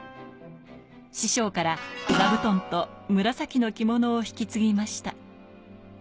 師匠から座布団と紫の着物を引き継ぎました。